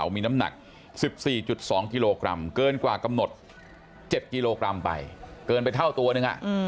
มีน้ำหนัก๑๔๒กิโลกรัมเกินกว่ากำหนด๗กิโลกรัมไปเกินไปเท่าตัวหนึ่ง